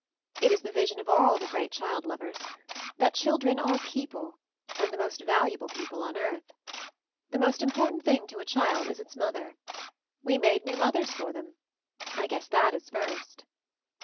It is the vision of aU the great childi lovers ; that children are people, and the most valuable people on earth. The most important thing to a child is its mother. We made new mothers for them — I guess that is 'first.'